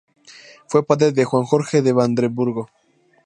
Fue padre de Juan Jorge de Brandeburgo.